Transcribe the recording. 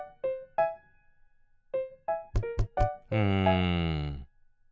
うん。